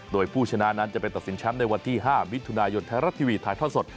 โดยผู้ชนะนั้นจะไปตัดสินแชมป์ในวันที่๕มิถุนายนไทยรัฐทีวีถ่ายทอดสด